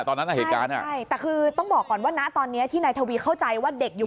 ตอนนั้นต้องบอกว่าตอนนี้ที่นายทวีเข้าใจว่าเด็กอยู่